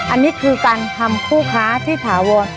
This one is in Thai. อันนี้คือการทำคู่ค้าที่ถาวร